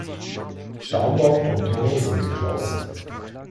Standort und Turm sind geschlossen.